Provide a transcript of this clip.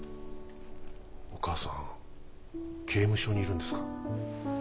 お母さん刑務所にいるんですか。